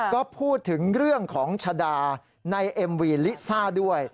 ก็พูดถึงเรื่องของชะดาในเอ็มวีลิซ่าด้วย